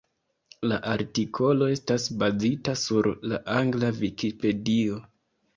La artikolo estas bazita sur la angla Vikipedio.